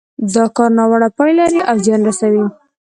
دا کار ناوړه پايلې لري او زيان رسوي.